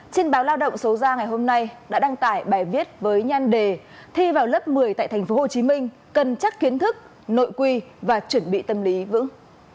trên báo lao động số ra ngày hôm nay đã đăng tải bài viết với nhan đề thi vào lớp một mươi tại tp hcm cân chắc kiến thức nội quy và chuẩn bị tâm lý vững